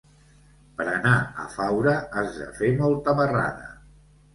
Per anar a Faura has de fer molta marrada.